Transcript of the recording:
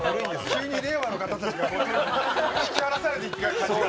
急に令和の方たちが引き離されていってる感じが。